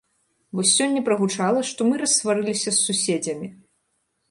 Вось сёння прагучала, што мы рассварыліся з суседзямі.